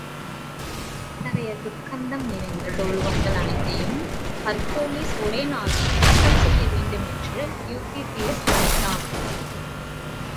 இத்தகைய துர்க்கந்தம் நிறைந்த தொழுவங்கள் அனைத்தையும் ஹெர்க்குலிஸ் ஒரே நாளில் சுத்தம் செய்ய வேண்டுமென்று யூரிஸ்தியஸ் பணித்தான்.